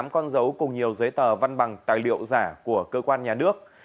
một mươi tám con dấu cùng nhiều giấy tờ văn bằng tài liệu giả của cơ quan nhà nước